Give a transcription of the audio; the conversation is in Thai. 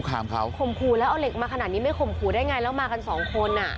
ข่มขู่แล้วเอาเหล็กมาขนาดนี้ไม่ข่มขู่ได้ไงแล้วมากันสองคนอ่ะ